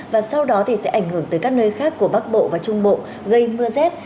và sau đó thì sẽ ảnh hưởng tới các nơi khác của bắc bộ và trung bộ gây mưa rét